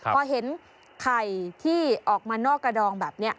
พอเห็นไข่ที่ออกมานอกกระดองแบบนี้